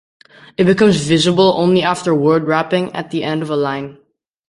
It becomes visible only after word wrapping at the end of a line.